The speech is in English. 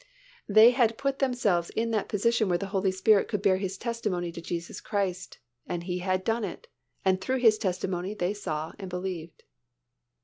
They had put themselves in that position where the Holy Spirit could bear His testimony to Jesus Christ and He had done it and through His testimony they saw and believed.